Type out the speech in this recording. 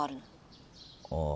ああ。